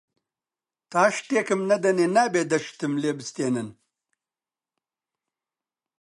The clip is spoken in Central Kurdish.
تا شتێکم نەدەنێ نابێ دە شتم لێ بستێنن